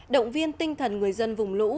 động viên tinh thần người dân vùng lũ